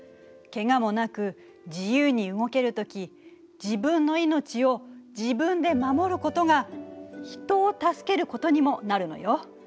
けがもなく自由に動ける時自分の命を自分で守ることが人を助けることにもなるのよ。